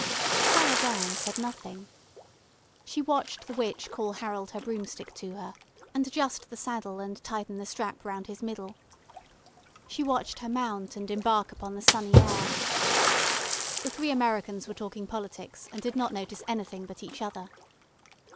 Sarah Brown said nothing. She watched the witch call Harold her Broomstick to her, and adjust the saddle and tighten the strap round his middle. She watched her mount and embark upon the sunny air. The three Americans were talking politics, and did not notice anything but each other.